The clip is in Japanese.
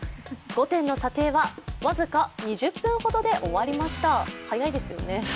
５点の査定は、僅か２０分ほどで終わりました、早いですよね。